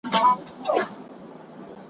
تفریح د انسان ستړیا کموي.